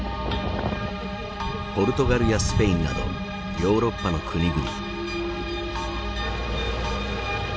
ポルトガルやスペインなどヨーロッパの国々。